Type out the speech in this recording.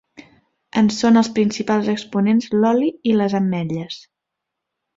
En són els principals exponents l'oli i les ametlles.